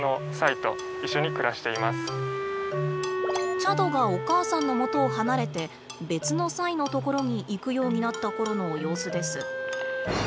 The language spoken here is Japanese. チャドがお母さんのもとを離れて別のサイの所に行くようになった頃の様子です。